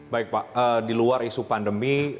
baik pak di luar isu pandemi